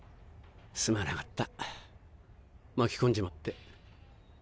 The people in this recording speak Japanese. すまなかった巻き込んじまって。